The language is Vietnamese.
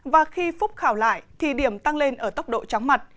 và khi phúc khảo lại thì điểm tăng lên ở tốc độ chóng mặt